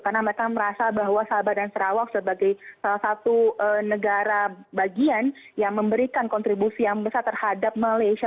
karena mereka merasa bahwa sabah dan sarawak sebagai salah satu negara bagian yang memberikan kontribusi yang besar terhadap malaysia